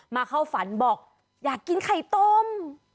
เข้าฝันบอกอยากกินไข่ต้ม